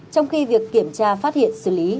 trong khi việc kiểm tra phát hiện xử lý